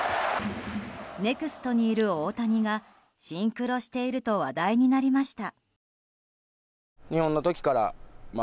ネクストにいる大谷がシンクロしていると話題になりました。